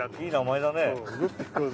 いい名前だね。